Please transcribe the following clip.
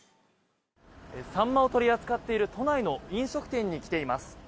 サンマを取り扱っている都内の飲食店に来ています。